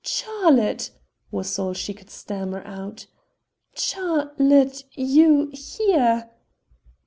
"Charlotte!" was all she could stammer out, "Char lotte ... you ... here!"